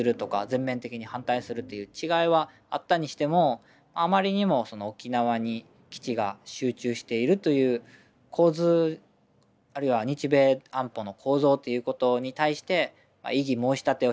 全面的に反対するという違いはあったにしてもあまりにも沖縄に基地が集中しているという構図あるいは日米安保の構造ということに対して異議申し立てをしていくと。